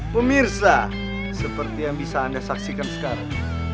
pemirsa seperti yang bisa anda saksikan sekarang